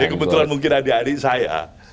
kebetulan mungkin adik adik saya